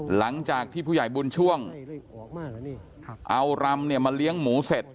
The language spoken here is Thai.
หลังจากที่ผู้ใหญ่บุญช่วงเอารำเนี่ยมาเลี้ยงหมูเสร็จ